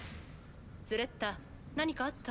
スレッタ何かあった？